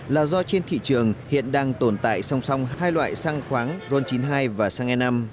là do trên thị trường hiện đang tồn tại song song hai loại xăng khoáng ron chín mươi hai và xăng e năm